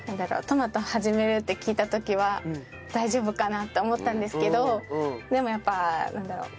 トマト始めるって聞いた時は大丈夫かなって思ったんですけどでもやっぱなんだろう。